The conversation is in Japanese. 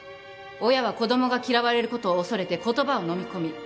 親は子供が嫌われることを恐れて言葉を飲み込み